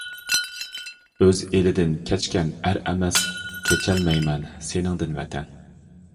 ئۆز ئېلىدىن كەچكەن ئەر ئەمەس، كېچەلمەيمەن سېنىڭدىن ۋەتەن.